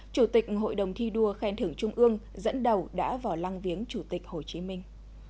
chủ tịch hội đồng thi đua khen thưởng trung ương dẫn đầu đã vào lăng viếng chủ tịch hồ chí minh